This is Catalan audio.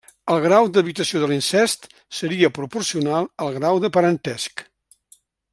El grau d'evitació de l'incest seria proporcional al grau de parentesc.